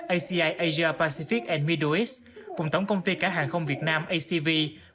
aci asia pacific and middle east cùng tổng công ty cả hàng không việt nam acv và tập đoàn liên thái bình dương ippg